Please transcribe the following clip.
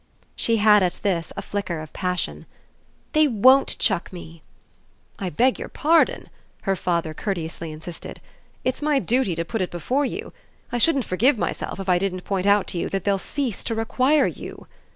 She had at this a flicker of passion. "They WON'T chuck me!" "I beg your pardon," her father courteously insisted; "it's my duty to put it before you. I shouldn't forgive myself if I didn't point out to you that they'll cease to require you."